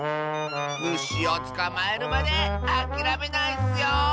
むしをつかまえるまであきらめないッスよ！